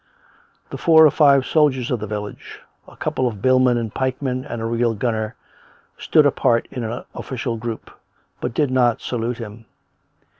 The four or five soldiers of the village — a couple of billmen and pikemen and a real gunner — stood apart in an official group, but did not salute him.